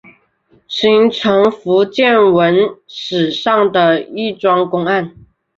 形成福建文史上的一桩公案。